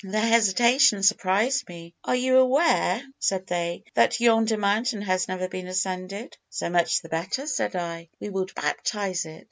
Their hesitation surprised me. 'Are you aware,' said they, 'that yonder mountain has never been ascended?' 'So much the better,' said I, 'we will baptize it!'